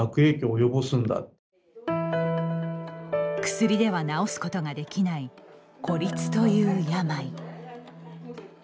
薬では治すことができない孤立という病。